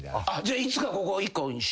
いつかここ１個に？